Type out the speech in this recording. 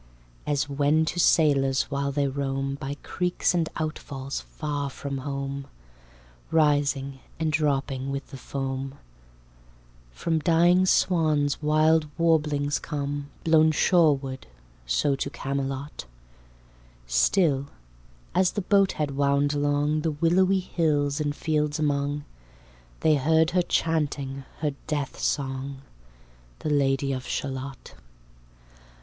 As when to sailors while they roam, By creeks and outfalls far from home, Rising and dropping with the foam, From dying swans wild warblings come, Blown shoreward; so to Camelot Still as the boathead wound along The willowy hills and fields among, They heard her chanting her deathsong, The Lady of Shalott.